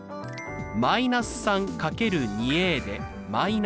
−３×２で−６。